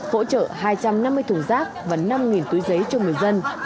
hỗ trợ hai trăm năm mươi thùng rác và năm túi giấy cho người dân